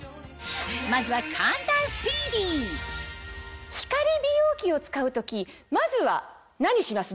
まずは光美容器を使う時まずは何します？